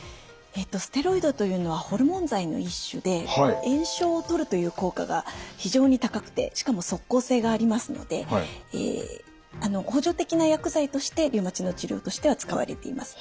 えとステロイドというのはホルモン剤の一種で炎症をとるという効果が非常に高くてしかも即効性がありますので補助的な薬剤としてリウマチの治療としては使われています。